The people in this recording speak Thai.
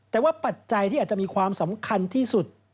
แต่ว่าปัจจัยที่อาจจะมีความสำคัญที่สุด